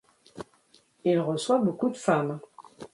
Il reçoit beaucoup de femmes.